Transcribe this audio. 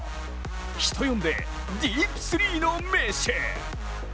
人呼んでディープスリーの名手。